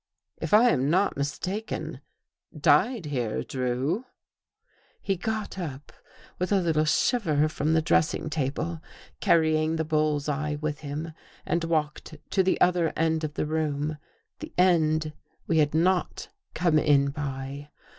" If I am not mistaken, died here. Drew." He got up, with a little shiver from the dressing table, carrying the bull's eye with him, and walked to the other end of the room — the end we had not come in by.